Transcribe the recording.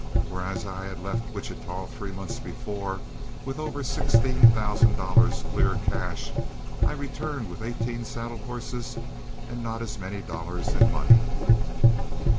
Whereas I had left Wichita three months before with over sixteen thousand dollars clear cash, I returned with eighteen saddle horses and not as many dollars in money.